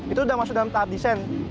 itu sudah masuk dalam tahap desain